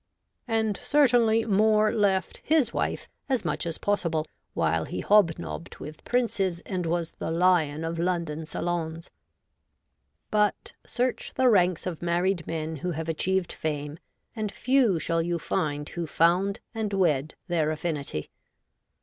And certainly Moore left kis wife as much as possible, while he hob nobbed with princes and was the lion of London salons. io8 REVOLTED WOMAN. But search the ranks of married men who have achieved fame, and few shall you find who found, and wed, their affinity.